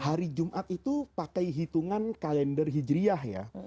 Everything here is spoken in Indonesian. hari jumat itu pakai hitungan kalender hijriah ya